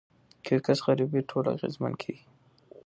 که یو کس غریب وي ټول اغیزمن کیږي.